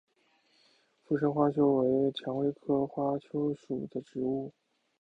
附生花楸为蔷薇科花楸属的植物。